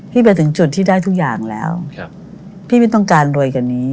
ไปถึงจุดที่ได้ทุกอย่างแล้วพี่ไม่ต้องการรวยกว่านี้